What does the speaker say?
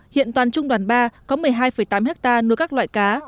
hiện toàn trung đoàn ba có một mươi hai tám hectare nuôi các loại cá